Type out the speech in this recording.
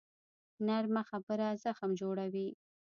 نرمه خبره زخم جوړوي